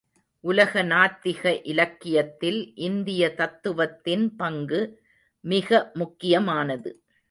உலக நாத்திக இலக்கியத்தில் இந்திய தத்துவத்தின் பங்கு மிக முக்கியமானது.